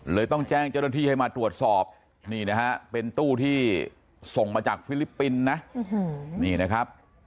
เลยต้องแจ้งเจ้าหน้าที่ให้มาตรวจสอบเป็นตู้ที่ส่งมาจากฟิลิปปินนะ